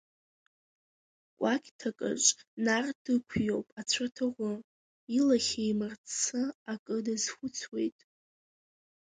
Кәакьҭакаҿ Нар дықәиоуп ацәарҭаӷәы, илахь еимарцца акы дазхәыцуеит.